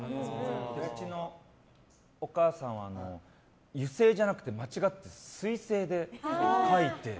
うちのお母さんは油性じゃなくて間違って水性で書いて。